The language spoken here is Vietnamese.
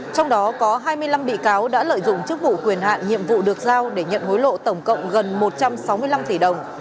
trong đó có hai mươi năm bị cáo đã lợi dụng chức vụ quyền hạn nhiệm vụ được giao để nhận hối lộ tổng cộng gần một trăm sáu mươi năm tỷ đồng